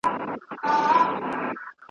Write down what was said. څه له محتسب څخه، څه له نیم طبیب څخه ,